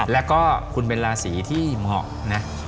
แล้วก็คุณเป็นราศีที่เหมาะนะ